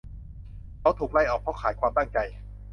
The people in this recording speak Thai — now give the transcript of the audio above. เขาถูกไล่ออกเพราะขาดความตั้งใจ